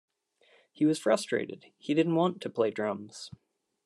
He was frustrated; he didn't want to play drums.